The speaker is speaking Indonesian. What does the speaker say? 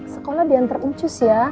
sekolah diantar uncus ya